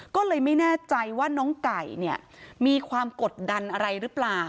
ก็เลยไม่แน่ใจว่าน้องไก่เนี่ยมีความกดดันอะไรหรือเปล่า